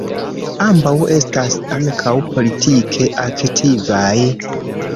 Ambaŭ estas ankaŭ politike aktivaj.